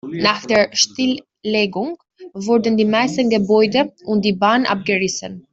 Nach der Stilllegung wurden die meisten Gebäude und die Bahn abgerissen.